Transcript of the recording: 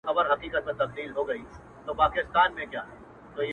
پر کنړ او کندهار یې پنجاب ګرځي-